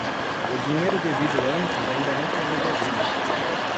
O dinheiro devido antes ainda não foi devolvido.